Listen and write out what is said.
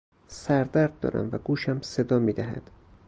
سردرد دارم و گوشم صدا میدهد.